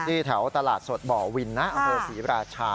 นี่แถวตลาดสดบ่อวินนะเอลิน๙๔บราชา